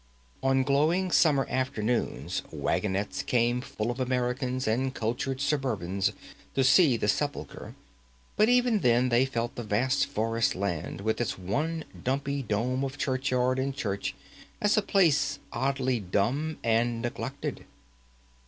On glowing summer afternoons wagonettes came full of Americans and cultured suburbans to see the sepulchre; but even then they felt the vast forest land with its one dumpy dome of churchyard and church as a place oddly dumb and neglected.